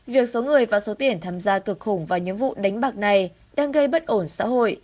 việc số người và số tiền tham gia cực khủng vào những vụ đánh bạc này đang gây bất ổn xã hội